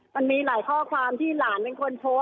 มันมีรายข้อความที่หล่านเป็นคนโพสต์ของเขา